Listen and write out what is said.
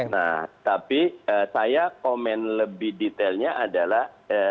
nah tapi saya komen lebih detailnya adalah